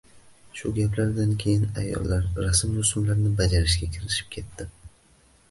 Shu gaplardan keyin ayollar rasm-rusumlarni bajarishga kirishib ketishdi